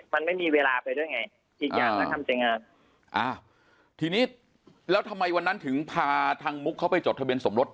มันไม่มีเวลาไปด้วยไงอีกอย่างน่าทำยังไงอ้าวทีนี้แล้วทำไมวันนั้นถึงพาทางมุกเข้าไปจดทะเบียนสมรส